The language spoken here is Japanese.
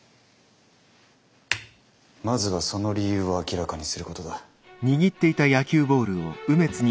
まずはその理由を明らかにすることだ。